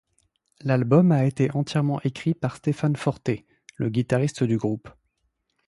L'album a été entièrement écrit par Stephan Forté, le guitariste du groupe.